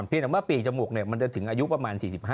เพียงแต่ว่าปีจมูกเนี่ยมันจะถึงอายุประมาณ๔๕